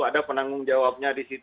ada penanggung jawab